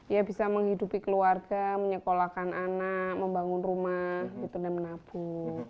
ya bisa menghidupi keluarga menyekolahkan anak membangun rumah dan menabung